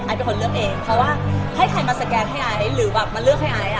เป็นคนเลือกเองเพราะว่าให้ใครมาสแกนให้ไอซ์หรือแบบมาเลือกให้ไอซ์อ่ะ